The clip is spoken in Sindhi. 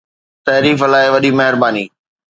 تعريف لاءِ وڏي مهرباني